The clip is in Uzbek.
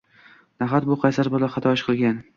Nahot bu qaysar bola xato ish qilgan.